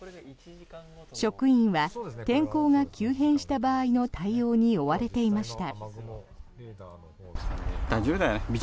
職員は天候が急変した場合の対応に追われていました。